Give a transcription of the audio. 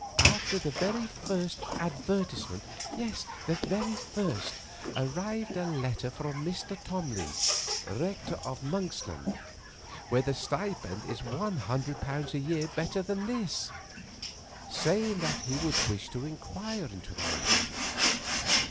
After the very first advertisement—yes, the very first—arrived a letter from Mr. Tomley, rector of Monksland, where the stipend is £100 a year better than this, saying that he would wish to inquire into the matter.